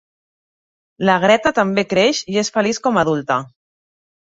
La Greta també creix i és feliç com a adulta.